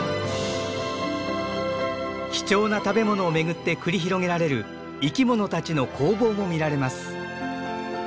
貴重な食べ物をめぐって繰り広げられる生き物たちの攻防も見られます。